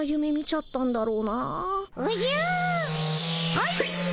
はい。